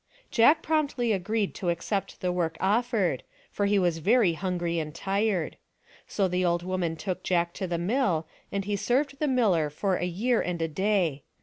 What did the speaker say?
/ Jack promptly agreed to accept the work offered, for he was very hungry and tired. So the old woman took Jack to the mill, and he served the miller for a year and a day.